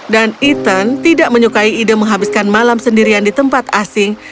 dan ethan tidak menyukai ide menghabiskan malam sendirian di tempat asing